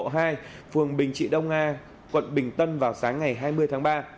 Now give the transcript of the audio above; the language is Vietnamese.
hàng tháng hai phường bình trị đông nga quận bình tân vào sáng ngày hai mươi tháng ba